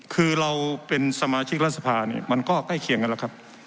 คือเราเป็นสมาชิกรัฐสภาเนี่ยมันก็ใกล้เคียงกันแล้วครับ